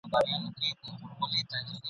ته به اورې شرنګا شرنګ له هره لوري !.